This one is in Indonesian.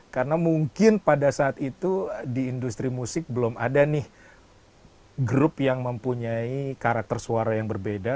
karena mungkin pada saat itu di industri musik belum ada nih grup yang mempunyai karakter suara yang berbeda